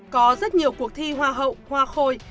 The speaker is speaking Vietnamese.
có rất nhiều cuộc thi hoa hậu hoa khôi